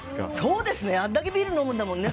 あれだけビール飲むんだもんね。